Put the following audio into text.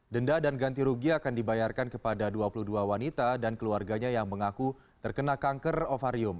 denda dan ganti rugi akan dibayarkan kepada dua puluh dua wanita dan keluarganya yang mengaku terkena kanker ovarium